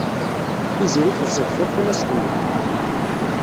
Tiziri teẓẓeg tafunast-nni.